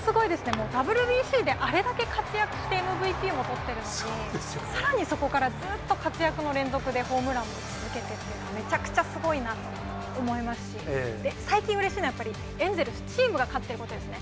もうＷＢＣで、あれだけ活躍してＭＶＰも取っているのに、さらにそこからずーっと活躍の連続で、ホームランも続けて打ってと、めちゃくちゃすごいなと思いますし、最近うれしいのは、やっぱりエンゼルス、チームが勝っていることですね。